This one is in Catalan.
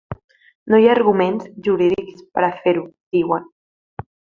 No hi ha arguments jurídics per a fer-ho, diuen.